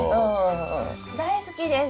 大好きです。